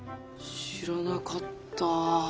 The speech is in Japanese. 知らなかった。